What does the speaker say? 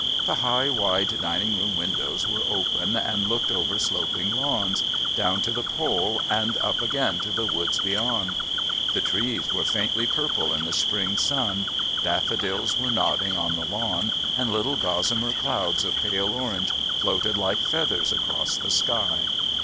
The high wide dining room windows were open and looked, over sloping lawns, down to the Pol and up again to the woods beyond. The trees were faintly purple in the spring sun, daffodils were nodding on the lawn and little gossamer clouds of pale orange floated like feathers across the sky.